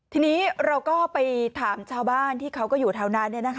ทีนี้เราก็ไปถามชาวบ้านที่เขาก็อยู่แถวนั้น